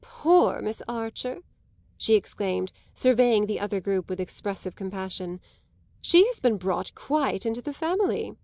"Poor Miss Archer!" she exclaimed, surveying the other group with expressive compassion. "She has been brought quite into the family."